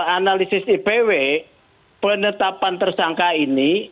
analisis ipw penetapan tersangka ini